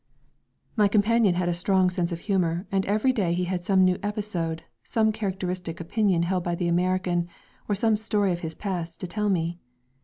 My companion had a strong sense of humour, and every day he had some new episode, some characteristic opinion held by the American or some story of his past to tell me.